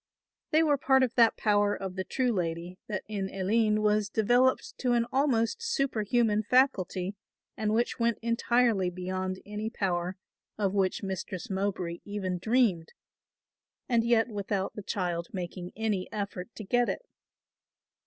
They were part of that power of the true lady that in Aline was developed to an almost superhuman faculty and which went entirely beyond any power of which Mistress Mowbray even dreamed and yet without the child making any effort to get it.